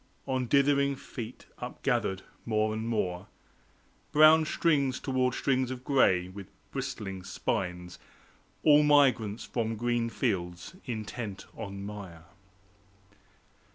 On dithering feet upgathered, more and more, Brown strings towards strings of gray, with bristling spines, All migrants from green fields, intent on mire.